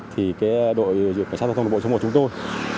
thì đội giữ cảnh sát giao thông đồng bộ chúng tôi